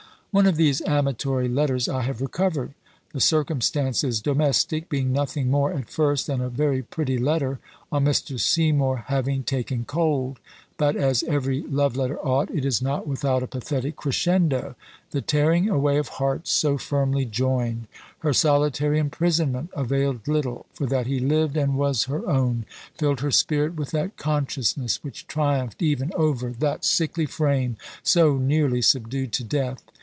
One of these amatory letters I have recovered. The circumstance is domestic, being nothing more at first than a very pretty letter on Mr. Seymour having taken cold, but, as every love letter ought, it is not without a pathetic crescendo; the tearing away of hearts so firmly joined, her solitary imprisonment availed little; for that he lived and was her own, filled her spirit with that consciousness which triumphed even over that sickly frame so nearly subdued to death.